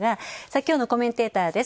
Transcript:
きょうのコメンテーターです。